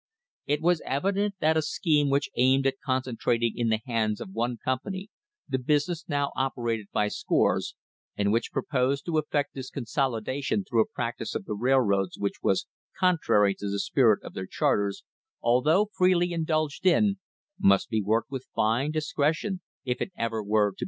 It was evident that a scheme which aimed at concentrating in the hands of one company the business now operated by scores, and which proposed to effect this consolidation through a practice of the dlroads which was contrary to the spirit of their charters, [though freely indulged in, must be worked with fine dis *etion if it ever were to be effective.